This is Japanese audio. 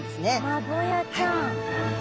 マボヤちゃん。